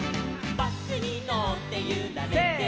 「バスにのってゆられてる」